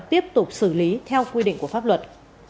tiếp tục xử lý theo quy định của pháp luật